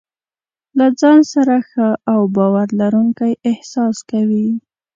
له ځان سره ښه او باور لرونکی احساس کوي.